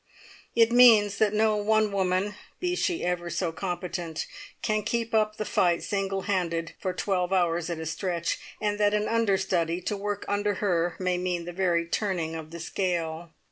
It means that no one woman, be she ever so competent, can keep up the fight single handed for twelve hours at a stretch, and that an understudy to work under her may mean the very turning of the scale.